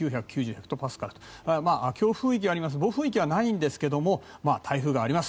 ヘクトパスカル強風域がありますけど暴風域はないんですが台風はあります。